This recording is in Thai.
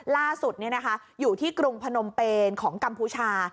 ล่าสุดอยู่ที่กรุงพนมเปนของกัมพูชา